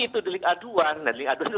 itu dilihat aduan nah dilihat aduan itu